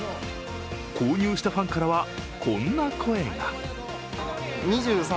購入したファンからは、こんな声が。